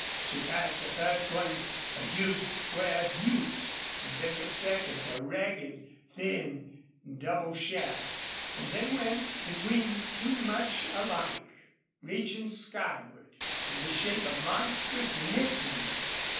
She passed the first one, a huge square butte, and then the second, a ragged, thin, double shaft, and then went between two much alike, reaching skyward in the shape of monstrous mittens.